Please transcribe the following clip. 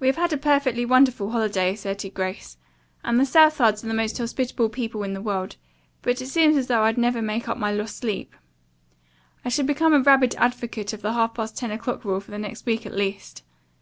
"We have had a perfectly wonderful holiday," asserted Grace, "and the Southards are the most hospitable people in the world, but it seems as though I'd never make up my lost sleep. I shall become a rabid advocate of the half past ten o'clock rule for the next week at least.